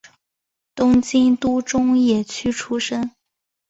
东京都中野区出生。